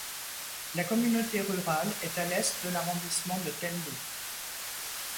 La communauté rurale est à l'est de l'arrondissement de Tendouck.